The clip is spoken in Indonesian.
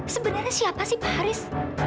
sebenarnya siapa sih pak haris